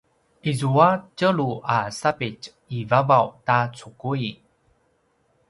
izua tjelu a sapitj i vavaw ta cukui